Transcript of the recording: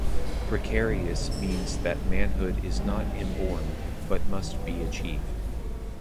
"Precarious" means that manhood is not inborn, but must be achieved.